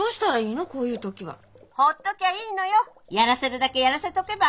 やらせるだけやらせとけば。